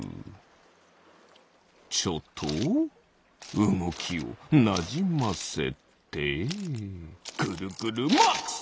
ちょっとうごきをなじませてぐるぐるマックス！